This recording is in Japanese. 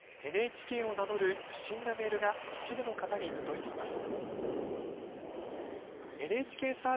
ＮＨＫを名乗る不審なメールが一部の方に届いています。